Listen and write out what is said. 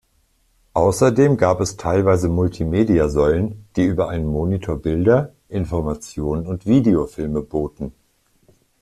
Außerdem gab es teilweise Multimedia-Säulen, die über einen Monitor Bilder, Informationen und Videofilme boten.